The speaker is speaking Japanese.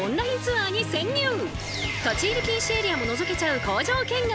立ち入り禁止エリアものぞけちゃう工場見学！